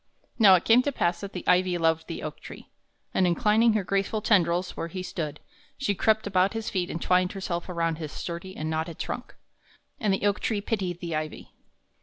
Now it came to pass that the ivy loved the oak tree, and inclining her graceful tendrils where he stood, she crept about his feet and twined herself around his sturdy and knotted trunk. And the oak tree pitied the ivy.